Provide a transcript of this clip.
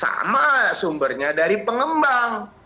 sama sumbernya dari pengembang